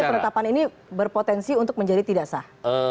penetapan ini berpotensi untuk menjadi tidak sah